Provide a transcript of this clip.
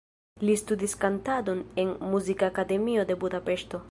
Li studis kantadon en Muzikakademio de Budapeŝto.